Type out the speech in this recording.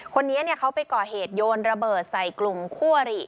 คนนี้เขาไปก่อเหตุโยนระเบิดใส่กลุ่มคั่วหรี่